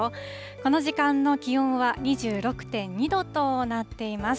この時間の気温は２６．２度となっています。